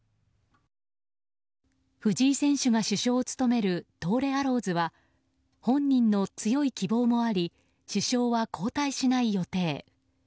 藤井選手が主将を務める東レアローズは本人の強い希望もあり主将は交代しない予定。